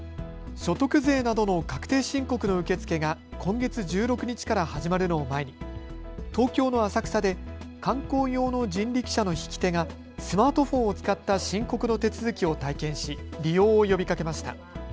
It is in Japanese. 所得税などの確定申告の受け付けが今月１６日から始まるのを前に東京の浅草で観光用の人力車の引き手がスマートフォンを使った申告の手続きを体験し利用を呼びかけました。